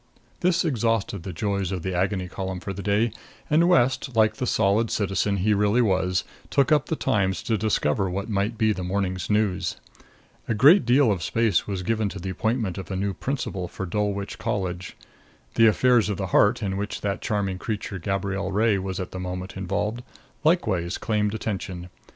This exhausted the joys of the Agony Column for the day, and West, like the solid citizen he really was, took up the Times to discover what might be the morning's news. A great deal of space was given to the appointment of a new principal for Dulwich College. The affairs of the heart, in which that charming creature, Gabrielle Ray, was at the moment involved, likewise claimed attention.